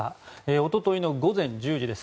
おとといの午前１０時です